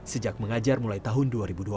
sejak mengajar mulai tahun dua ribu dua belas